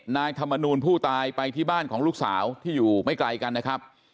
นายธรรมนูลผู้ตายไปที่บ้านของลูกสาวที่อยู่ไม่ไกลกันนะครับ